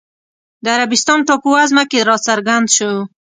د عربستان ټاپووزمه کې راڅرګند شو